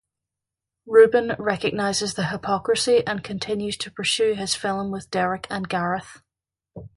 Reuben recognizes the hypocrisy and continues to pursue his film with Derek and Gareth.